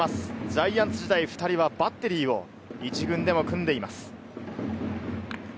ジャイアンツ時代、２人はバッテリーを１軍でも組んでいます。